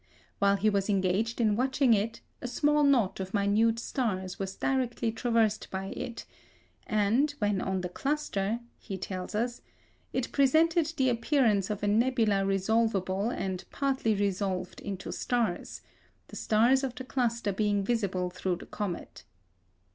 While he was engaged in watching it, a small knot of minute stars was directly traversed by it, "and when on the cluster," he tells us, it "presented the appearance of a nebula resolvable and partly resolved into stars, the stars of the cluster being visible through the comet."